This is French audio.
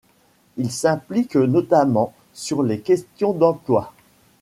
Il s’implique notamment sur les questions d’emploi.